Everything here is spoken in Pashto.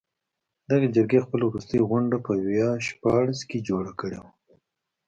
دغې جرګې خپله وروستۍ غونډه په ویا شپاړس کې جوړه کړې وه.